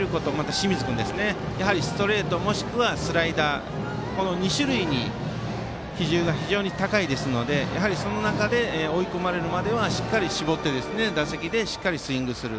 清水君はストレートとスライダーこの２種類の比重が高いですのでその中で追い込まれるまではしっかり絞って打席でしっかりスイングする。